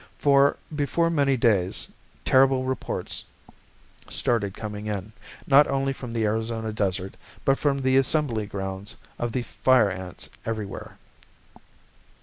For before many days terrible reports started coming in, not only from the Arizona desert but from the assembly grounds of the Fire Ants everywhere.